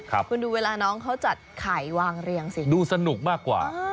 คุณดูเวลาน้องเขาจัดไข่วางเรียงสิดูสนุกมากกว่า